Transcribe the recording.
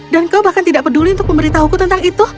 dan kau bahkan tidak peduli untuk memberitahuku tentang itu